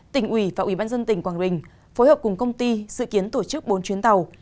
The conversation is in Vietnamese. tỉnh ủy và ủy ban dân tỉnh quảng bình phối hợp cùng công ty dự kiến tổ chức bốn chuyến tàu